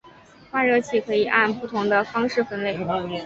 换热器可以按不同的方式分类。